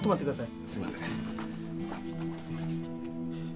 すみません。